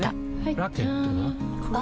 ラケットは？